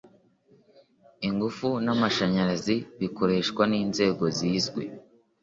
ingufu n'amashanyarazi bikoreshwa n'inzego zizwi.